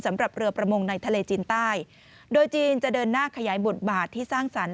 สำหรับเรือประมงในทะเลจีนใต้โดยจีนจะเดินหน้าขยายบทบาทที่สร้างสรรค